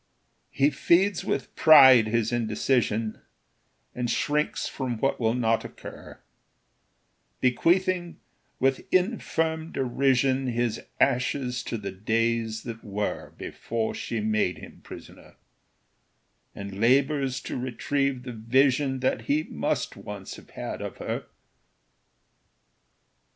He feeds with pride his indecision, And shrinks from what will not occur, Bequeathing with infirm derision His ashes to the days that were, Before she made him prisoner; And labors to retrieve the vision That he must once have had of her.